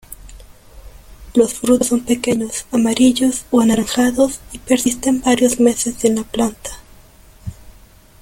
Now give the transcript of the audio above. Los frutos son pequeños, amarillos o anaranjados y persisten varios meses en la planta.